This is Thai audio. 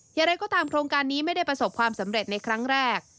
อย่างไรก็ตามโครงการนี้ไม่ได้ประสบความสำเร็จในครั้งแรก